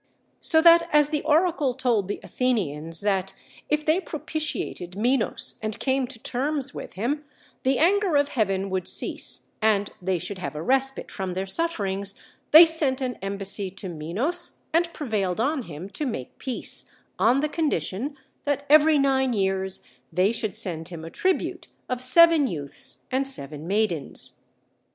So that as the oracle told the Athenians that, if they propitiated Minos and came to terms with him, the anger of heaven would cease and they should have a respite from their sufferings, they sent an embassy to Minos and prevailed on him to make peace, on the condition that every nine years they should send him a tribute of seven youths and seven maidens.